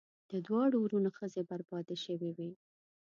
د دواړو وروڼو ښځې بربادي شوې وې.